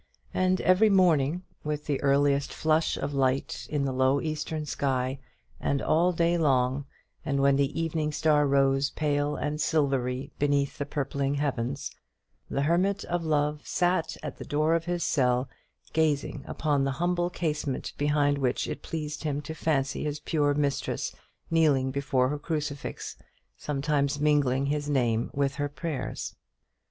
And every morning with the earliest flush of light in the low Eastern sky, and all day long, and when the evening star rose pale and silvery beneath the purpling heavens, the hermit of love sat at the door of his cell gazing upon the humble casement behind which it pleased him to fancy his pure mistress kneeling before her crucifix, sometimes mingling his name with her prayers.